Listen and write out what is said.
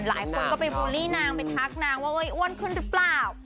หลายคนก็ไปบูลลี่นางไปทักนางว่าอ้วนขึ้นหรือเปล่า